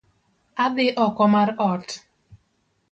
Adhi oko mar ot